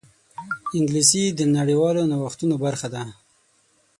انګلیسي د نړیوالو نوښتونو برخه ده